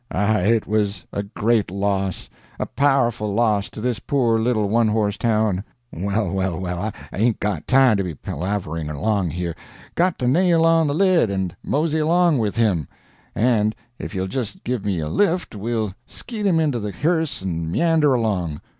Ah, it was a great loss a powerful loss to this poor little one horse town. Well, well, well, I hain't got time to be palavering along here got to nail on the lid and mosey along with him; and if you'll just give me a lift we'll skeet him into the hearse and meander along.